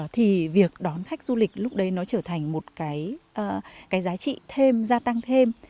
thì việc đón khách du lịch lúc đấy nó trở thành một cái giá trị thêm gia tăng thêm